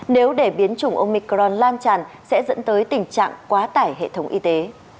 nếu để biến chủng omicron lan tràn sẽ dẫn tới tình trạng quá tải hệ thống y tế